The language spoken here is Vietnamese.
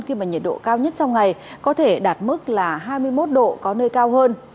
khi mà nhiệt độ cao nhất trong ngày có thể đạt mức là hai mươi một độ có nơi cao hơn